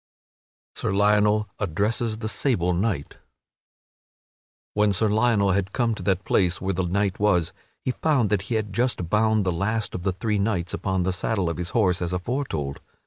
[Sidenote: Sir Lionel addresses the sable knight] When Sir Lionel had come to that place where the knight was, he found that he had just bound the last of the three knights upon the saddle of his horse as aforetold.